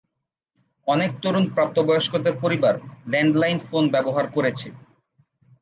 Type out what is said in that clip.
অনেক তরুণ প্রাপ্তবয়স্কদের পরিবার ল্যান্ড-লাইন ফোন ব্যবহার করেছে।